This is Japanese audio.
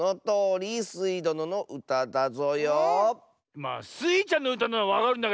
まあスイちゃんのうたなのはわかるんだけどこれ。